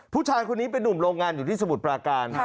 ผู้ชายคนนี้เป็นนุ่มโรงงานอยู่ที่สมุทรปราการ